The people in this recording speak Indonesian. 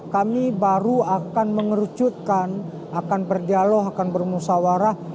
kami baru akan mengerucutkan akan berdialog akan bermusawarah